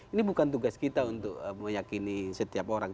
ini bukan tugas kita untuk meyakini setiap orang